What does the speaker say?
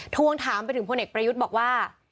ทวงถามไปถึงพลเอกประยุทธ์บอกว่า